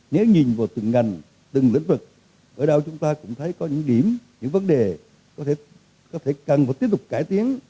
nhớ nhìn vào từng ngành từng lĩnh vực ở đâu chúng ta cũng thấy có những điểm những vấn đề có thể có thể cần và tiếp tục cải tiến